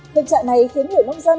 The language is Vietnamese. tình trạng này khiến người nông dân